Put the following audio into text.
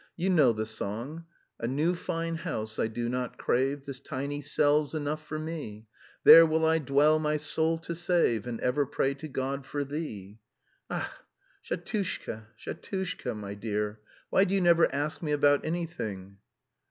You know the song: 'A new fine house I do not crave, This tiny cell's enough for me; There will I dwell my soul to save And ever pray to God for thee.' Ach, Shatushka, Shatushka, my dear, why do you never ask me about anything?"